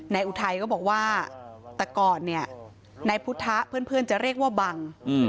อุทัยก็บอกว่าแต่ก่อนเนี่ยนายพุทธเพื่อนจะเรียกว่าบัง